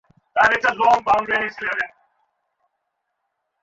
তিনি নিশ্চিত করেন যে একই নেতারা তাঁর বিরুদ্ধে জাগতে পারবেন না।